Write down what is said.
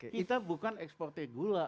kita bukan ekspor teh gula